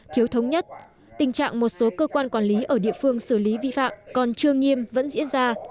thiếu thống nhất tình trạng một số cơ quan quản lý ở địa phương xử lý vi phạm còn chưa nghiêm vẫn diễn ra